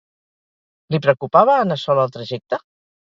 Li preocupava anar sol al trajecte?